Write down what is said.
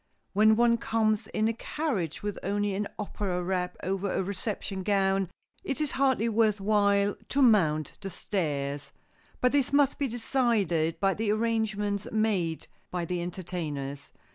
When one comes in a carriage with only an opera wrap over a reception gown, it is hardly worth while to mount the stairs. But this must be decided by the arrangements made by the entertainers.